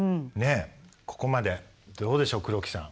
ここまでどうでしょう黒木さん